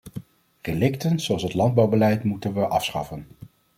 Relicten zoals het landbouwbeleid moeten we afschaffen.